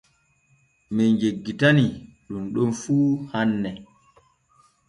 Men jeggitanii ɗun ɗon fu hanne.